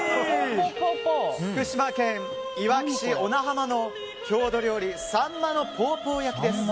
福島県いわき市小名浜の郷土料理さんまのポーポー焼き。